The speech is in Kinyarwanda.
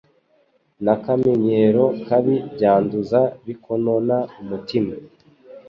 n'akamenyero kabi byanduza bikonona umutima.